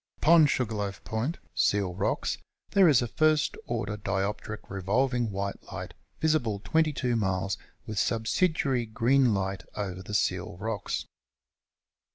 Upon Sugarloaf Point (Seal Rocks) there is a first order dioptric revolving white light, visible 22 miles, with subsidiary green light over the Seal Rocks.